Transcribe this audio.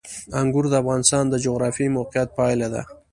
انګور د افغانستان د جغرافیایي موقیعت پایله ده.